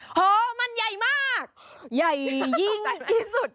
โอ้โฮมันใหญ่มากใหญ่ยิ่งที่สุด